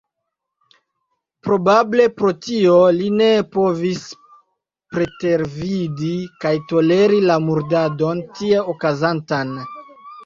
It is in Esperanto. Probable pro tio li ne povis pretervidi kaj toleri la murdadon tie okazantan.